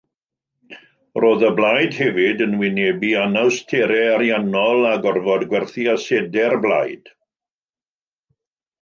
Roedd y blaid hefyd yn wynebu anawsterau ariannol a gorfod gwerthu asedau'r blaid.